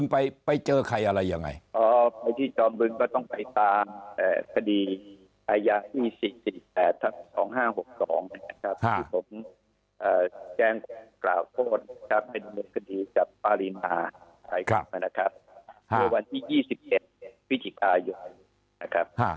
ไปกับมันนะครับโดยวันที่ยี่สิบเย็นวิจิกาอยู่นะครับฮ่า